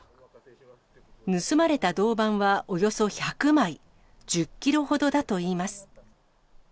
盗まれた銅板はおよそ１００枚、１０キロほどだといいます。